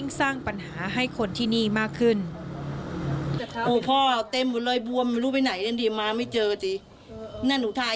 นั่นหนูทายาให้ที่ว่าเขามาแจกวันก่อนน่ะไอ้กวดแดงดีน่ะ